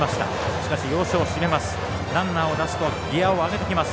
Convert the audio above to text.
しかし、要所を締めます。